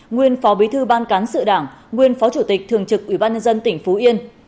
nguyên phó bí thư ban cán sự đảng nguyên phó chủ tịch thường trực ủy ban nhân dân tỉnh phú yên